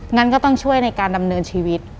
งั้นก็ต้องช่วยในการดำเนินชีวิต